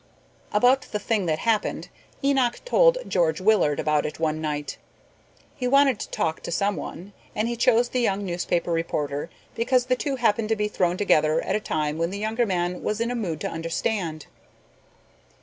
About the thing that happened. Enoch told George Willard about it one night. He wanted to talk to someone, and he chose the young newspaper reporter because the two happened to be thrown together at a time when the younger man was in a mood to understand.